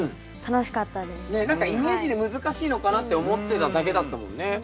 ねっ何かイメージで難しいのかなって思ってただけだったもんね。